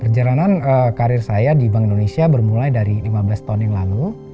perjalanan karir saya di bank indonesia bermula dari lima belas tahun yang lalu